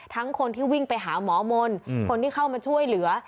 คนที่วิ่งไปหาหมอมนต์คนที่เข้ามาช่วยเหลือ